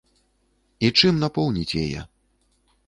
І чым напоўніць яе?